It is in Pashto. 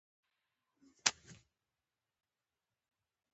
نجلۍ د خوږو خبرو هنر لري.